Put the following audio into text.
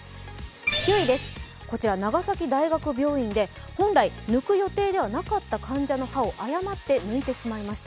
９位です、こちら長崎大学病院で本来抜く予定ではなかった患者の歯を誤って抜いてしまいました。